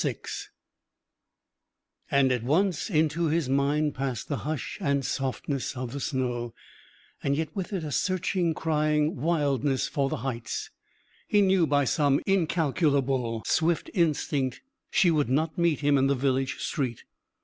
VI And at once into his mind passed the hush and softness of the snow yet with it a searching, crying wildness for the heights. He knew by some incalculable, swift instinct she would not meet him in the village street.